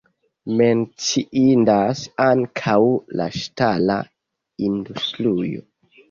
Menciindas ankaŭ la ŝtala industrio.